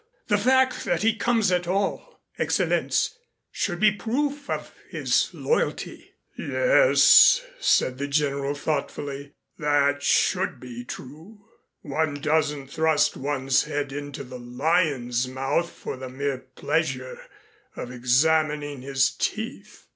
The fact that he comes at all, Excellenz, should be proof of his loyalty." "Yes," said the General thoughtfully. "That should be true. One doesn't thrust one's head into the lion's mouth for the mere pleasure of examining his teeth.